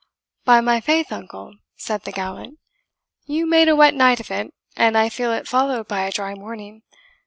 "By my faith, uncle," said the gallant, "you made a wet night of it, and I feel it followed by a dry morning.